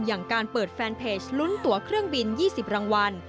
อย่างการเปิดแฟนเพจลุ้นตัวเครื่องบิน๒๐รางวัล